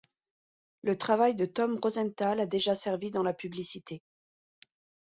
Le travail de Tom Rosenthal a déjà servi dans la publicité.